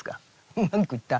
うまくいった？